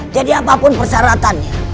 jadi apapun persyaratannya